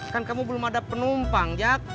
kan kamu belum ada penumpang